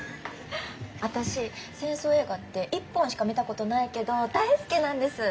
私戦争映画って一本しか見たことないけど大好きなんです。